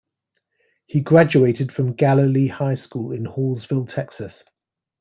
He graduated from Galilee High School in Hallsville, Texas.